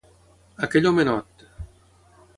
Aquell homenot!